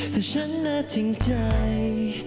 แต่ฉันหน้าจึงใจ